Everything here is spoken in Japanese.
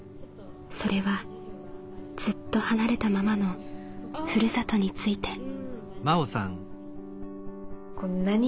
それはずっと離れたままの「ふるさと」について。